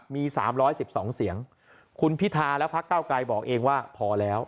มี๓๑๒เสียงคุณพิธาและพักเก้าไกรบอกเองว่าพอแล้ว